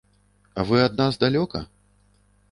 Вы ад нас далёка?